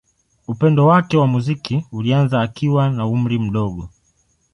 Upendo wake wa muziki ulianza akiwa na umri mdogo.